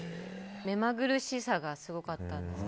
目まぐるしさがすごかったです。